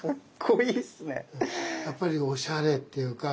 やっぱりおしゃれっていうか